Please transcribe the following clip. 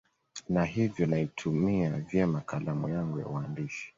na hivyo naitumia vyema kalamu yangu ya uandishi